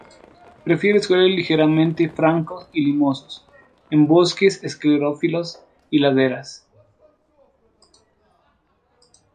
Prefiere suelos ligeramente francos y limosos, en bosques esclerófilos y laderas.